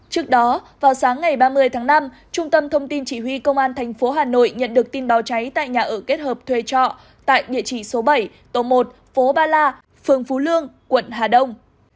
trước đó vào sáng ngày ba mươi tháng năm trung tâm thông tin chỉ huy công an tp hà nội nhận được tin báo cháy tại nhà ở kết hợp thuê trọ tại địa chỉ số bảy tổ một phố ba la phường phú lương quận hà đông